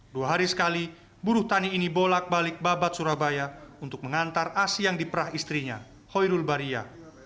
dua hari sekali buruh tani ini bolak balik babat surabaya untuk mengantar asi yang diperah istrinya hoyrul baria